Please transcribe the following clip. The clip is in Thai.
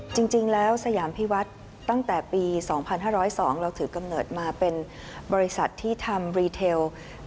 จริงแล้วสยามพิวัฒน์ตั้งแต่ปี๒๕๐๒เราถือกำเนิดมาเป็นบริษัทที่ทำรีเทล